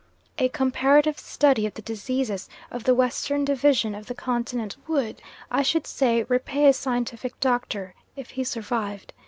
A comparative study of the diseases of the western division of the continent would, I should say, repay a scientific doctor, if he survived.